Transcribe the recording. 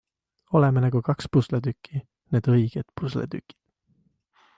Oleme nagu kaks pusletükki, need õiged pusletükid.